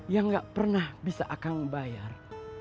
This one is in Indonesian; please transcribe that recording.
yang gak pernah bisa akan bayar